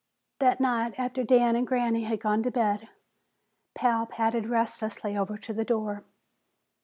That night, after Dan and Granny had gone to bed, Pal padded restlessly over to the door.